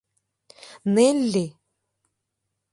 Нелли!..